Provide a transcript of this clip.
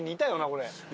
これ。